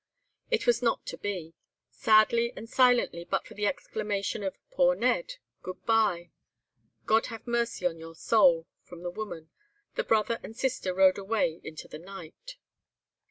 "It was not to be. Sadly and silently, but for the exclamation of 'Poor Ned! good bye! God have mercy on your soul!' from the woman, the brother and sister rode away into the night.